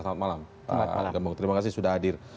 selamat malam pak gembong terima kasih sudah hadir